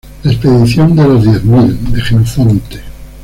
La expedición de los diez mil", de Jenofonte.